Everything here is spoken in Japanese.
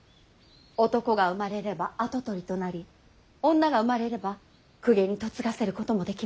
男が生まれれば跡取りとなり女が生まれれば公家に嫁がせることもできます。